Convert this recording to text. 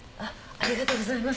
ありがとうございます。